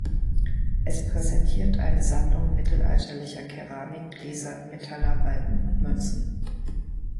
Es präsentiert eine Sammlung mittelalterlicher Keramik, Gläser, Metallarbeiten und Münzen.